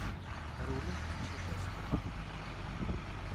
Rewlent teqcicin seg wexxam.